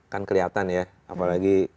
kan kelihatan ya apalagi